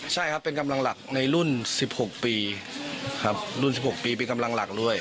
ใช่ครับเป็นกำลังหลักในรุ่น๑๖ปีครับรุ่น๑๖ปีเป็นกำลังหลักด้วย